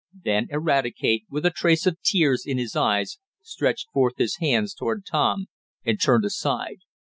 Then Eradicate, with a trace of tears in his eyes, stretched forth his hands toward Tom, and turned aside.